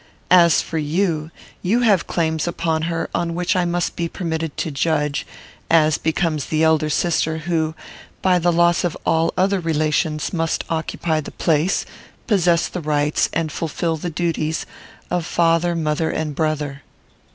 As for you, you have claims upon her on which I must be permitted to judge, as becomes the elder sister, who, by the loss of all other relations, must occupy the place, possess the rights, and fulfil the duties, of father, mother, and brother.